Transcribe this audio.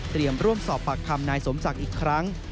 ร่วมสอบปากคำนายสมศักดิ์อีกครั้ง